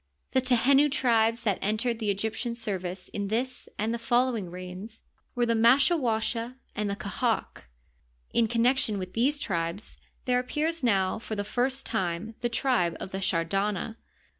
The Tehenu tribes that entered the Egyptian service in this and the follow ing reigns were the Maskawasha and the Qahaq, In connection with these tribes there appears now for the first time the tribe of the Shardana.